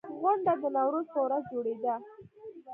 غونډه د نوروز په ورځ جوړېده.